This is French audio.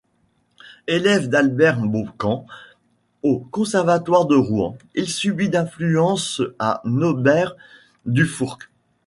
Élève d’Albert Beaucamp au Conservatoire de Rouen, il subit l’influence de Nobert Dufourcq.